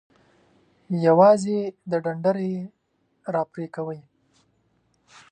یوازې د ډنډره یی را پرې کوئ.